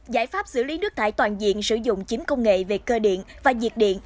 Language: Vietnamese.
giải pháp xử lý nước thải toàn diện sử dụng chiếm công nghệ về cơ điện và diệt điện